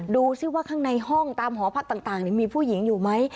ดูสิว่าข้างในห้องตามหอพักต่างมีผู้หญิงอยู่ไหม